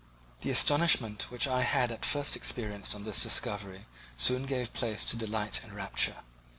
The astonishment which I had at first experienced on this discovery soon gave place to delight and rapture.